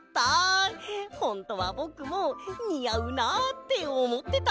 ほんとはぼくもにあうなあっておもってたんだ！